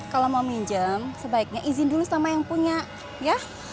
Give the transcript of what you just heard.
kalau mau minjem sebaiknya izin dulu sama yang punya ya